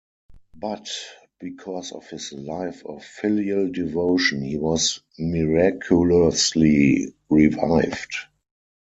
But, because of his life of filial devotion, he was miraculously revived.